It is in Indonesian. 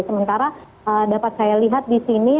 sementara dapat saya lihat disini